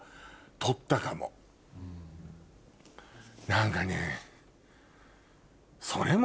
何かね。